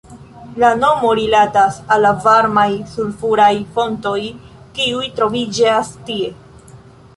La nomo rilatas al la varmaj sulfuraj fontoj, kiuj troviĝas tie.